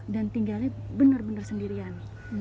dan tinggalnya benar benar sendirian